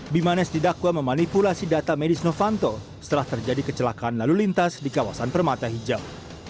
bimanes didakwa memanipulasi data medis novanto setelah terjadi kecelakaan lalu lintas di kawasan permata hijau